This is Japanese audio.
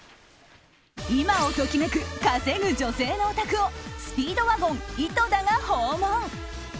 今を時めく稼ぐ女性のお宅をスピードワゴン、井戸田が訪問。